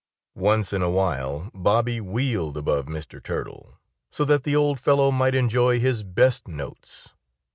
Once in a while Bobby wheeled above Mr. Turtle, so that the old fellow might enjoy his best notes.